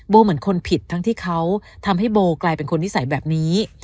เหมือนคนผิดทั้งที่เขาทำให้โบกลายเป็นคนนิสัยแบบนี้